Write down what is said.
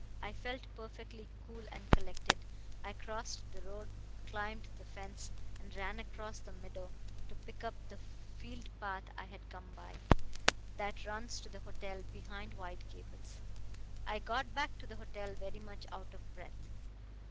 I felt perfectly cool and collected. I crossed the road, climbed the fence, and ran across the meadow to pick up the field path I had come by, that runs to the hotel behind White Gables. I got back to the hotel very much out of breath."